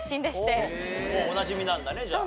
もうおなじみなんだねじゃあ。